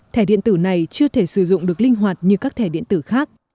thẻ điện tử này chưa thể sử dụng được linh hoạt như các thẻ điện tử khác